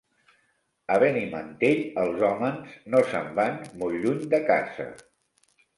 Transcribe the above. A Benimantell els hòmens no se’n van molt lluny de casa.